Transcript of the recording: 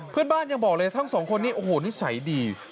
เพื่อนบ้านยังบอกเลยทั้งสองคนนี้โอ้โหนิสัยดี